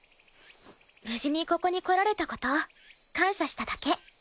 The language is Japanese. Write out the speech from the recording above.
無事にここに来られた事感謝しただけ。